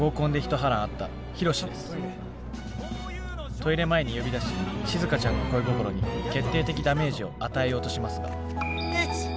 トイレ前に呼び出ししずかちゃんの恋心に決定的ダメージを与えようとしますが。